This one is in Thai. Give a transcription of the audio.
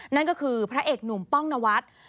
นั่นก็คือพระเอกหนุ่มป้องนวัฒน์